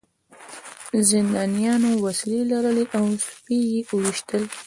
زندانیانو وسلې لرلې او سپي یې وویشتل